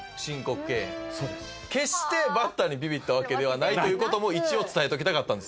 決してバッターにビビったわけではないという事も一応伝えておきたかったんですね。